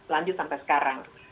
lanjut sampai sekarang